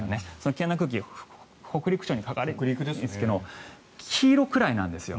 危険な空気が北陸地方にかかるんですが黄色くらいなんですよ。